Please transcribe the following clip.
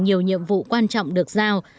nhiều nhiệm vụ quan trọng được giao